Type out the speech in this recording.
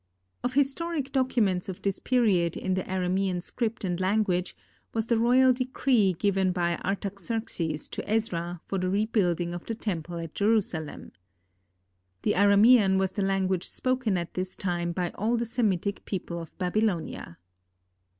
Of historic documents of this period in the Aramean script and language was the royal decree given by Artaxerxes to Ezra for the rebuilding of the temple at Jerusalem. The Aramean was the language spoken at this time by all the Semitic people of Babylonia.